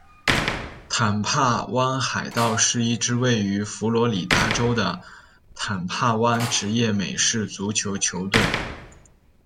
坦帕湾海盗是一支位于佛罗里达州的坦帕湾职业美式足球球队。